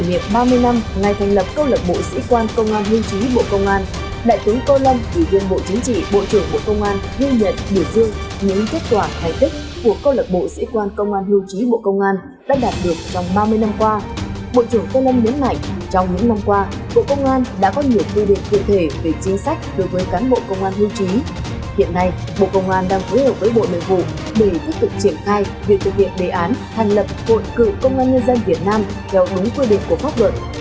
hiện nay bộ công an đang phối hợp với bộ nguyên vụ để thích cực triển khai việc thực hiện đề án hành lập hội cựu công an nhân dân việt nam theo đúng quy định của pháp luật